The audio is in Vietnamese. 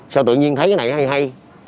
sao tự nhiên thấy cái này hay hay